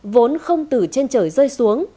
vốn không từ trên trời rơi xuống